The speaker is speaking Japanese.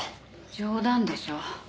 冗談でしょ？